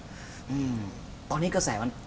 อืมตอนนี้กระแสมัน